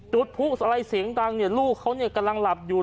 จุดผู้อะไรเสียงดังเนี่ยลูกเขากำลังหลับอยู่